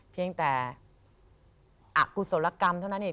เพียงแต่อกุศลกรรมเท่านั้นเอง